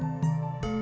iairei ruangan raja